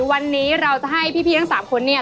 วันนี้เราจะให้พี่ทั้ง๓คนเนี่ย